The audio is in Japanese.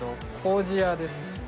糀屋です。